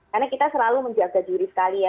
karena kita selalu menjaga juri sekali ya